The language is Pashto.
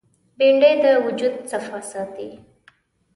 بېنډۍ د وجود صفا ساتي